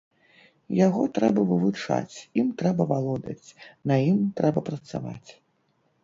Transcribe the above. Яго трэба вывучаць, ім трэба валодаць, на ім трэба працаваць.